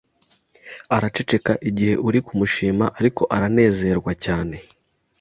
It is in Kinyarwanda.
araceceka igihe uri kumushima ariko aranezerwa cyane